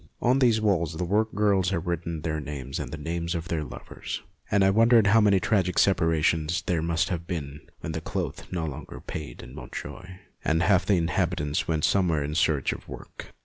On these walls the workgirls had written their names and the names of their lovers, and I wondered how many tragic separations there must have been when cloth no longer paid in Montjoie, and half the inhabitants went elsewhere in search of work.